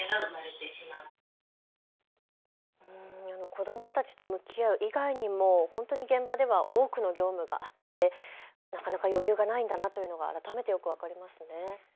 子どもたちと向き合う以外にも本当に現場では多くの業務があってなかなか余裕がないんだなというのが改めてよく分かりますね。